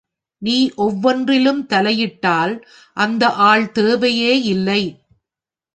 நீ ஒவ்வொன்றிலும் தலையிட்டால் அந்த ஆள் தேவையே இல்லை.